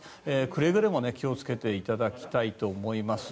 くれぐれも気をつけていただきたいと思います。